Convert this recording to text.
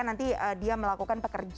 nah ini harus naik